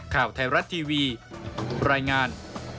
ข่าวไทยรัฐทีวีรายงาน